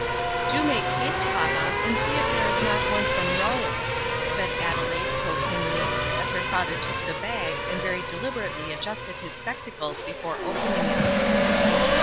"Do make haste, papa, and see if there is not one from Rose," said Adelaide coaxingly, as her father took the bag, and very deliberately adjusted his spectacles before opening it.